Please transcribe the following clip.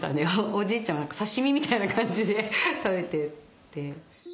おじいちゃんは刺身みたいな感じで食べてて。